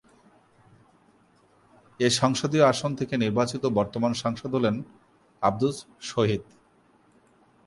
এ সংসদীয় আসন থেকে নির্বাচিত বর্তমান সাংসদ হলেন আব্দুস শহীদ।